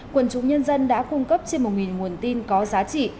quần chúng nhân dân đã cung cấp trên một nguồn tin có giá trị